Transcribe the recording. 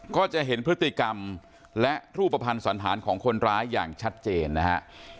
ก็จะเห็นพฤติกรรมและรูปภัณฑ์สันธารของคนร้ายอย่างชัดเจนนะฮะ